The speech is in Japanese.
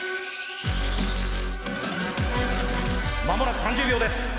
まもなく３０秒です。